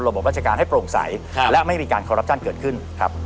บราชการให้โปร่งใสและไม่มีการคอรัปชั่นเกิดขึ้นครับ